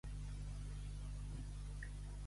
Ser de Sant Torni.